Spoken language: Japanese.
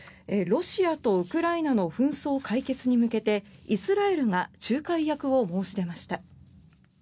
ロシアとウクライナの紛争解決に向けてイスラエルが仲介役を申し出ました。